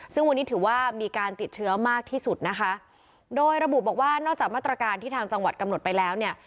ซึ่งวันนี้ถือว่ามีการติดเชื้อมากที่สุดนะคะโดยระบุบอกว่านอกจากมาตรการที่ทางจังหวัดกำหนดไปแล้วเนี่ย